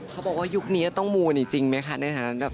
เขาบอกว่ายุคนี้ต้องมูลจริงไหมคะ